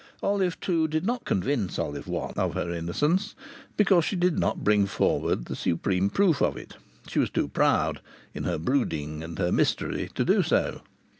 Olive Two did not convince Olive One of her innocence, because she did not bring forward the supreme proof of it. She was too proud in her brooding and her mystery to do so.